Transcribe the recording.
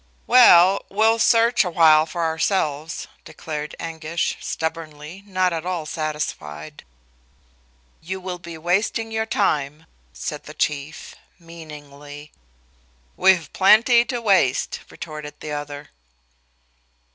"Well, we'll search awhile for ourselves," declared Anguish, stubbornly, not at all satisfied. "You will be wasting your time," said the Chief, meaningly. "We've plenty to waste," retorted the other.